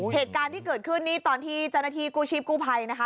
เหตุการณ์ที่เกิดขึ้นนี่ตอนที่เจ้าหน้าที่กู้ชีพกู้ภัยนะคะ